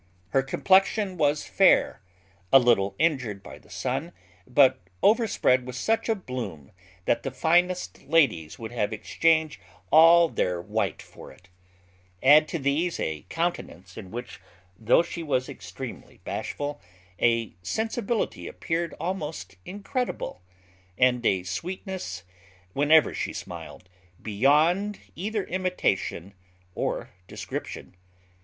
Her complexion was fair, a little injured by the sun, but overspread with such a bloom that the finest ladies would have exchanged all their white for it: add to these a countenance in which, though she was extremely bashful, a sensibility appeared almost incredible; and a sweetness, whenever she smiled, beyond either imitation or description.